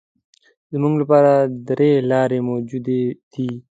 زموږ لپاره درې لارې موجودې دي.